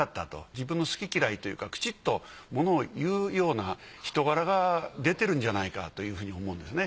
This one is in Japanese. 自分の好き嫌いというかきちっとものを言うような人柄が出てるんじゃないかというふうに思うんですね。